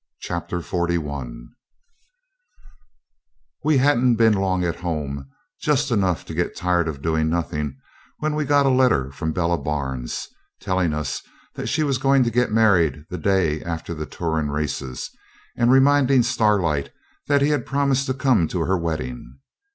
Chapter 41 We hadn't been long at home, just enough to get tired of doing nothing, when we got a letter from Bella Barnes, telling us that she was going to get married the day after the Turon races, and reminding Starlight that he had promised to come to her wedding.